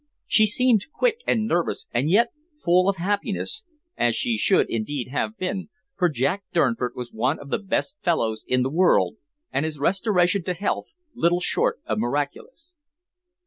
She seemed quick and nervous and yet full of happiness, as she should indeed have been, for Jack Durnford was one of the best fellows in the world, and his restoration to health little short of miraculous.